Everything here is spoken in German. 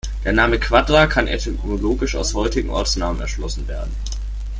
Der Name Quadra kann etymologisch aus heutigen Ortsnamen erschlossen werden.